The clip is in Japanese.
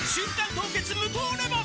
凍結無糖レモン」